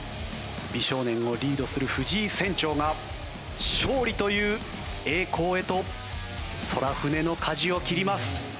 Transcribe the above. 美少年をリードする藤井船長が勝利という栄光へと『宙船』の舵を切ります。